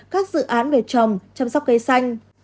các dự án về trồng chăm sóc cây xanh